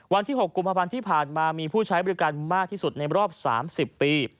วันที่๖กุมภาพันธ์ที่ผ่านมามีผู้ใช้บริการมากที่สุดในรอบ๓๐ปี